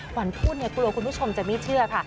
ขวัญพูดเนี่ยกลัวคุณผู้ชมจะไม่เชื่อค่ะ